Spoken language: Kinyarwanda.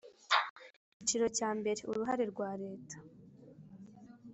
Icyiciro cya mbere Uruhare rwa Leta